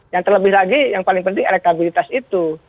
yang terlebih lagi yang paling penting elektabilitas itu